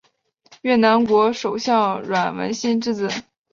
越南国首相阮文心之子。